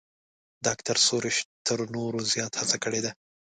ډاکتر سروش تر نورو زیات هڅه کړې ده.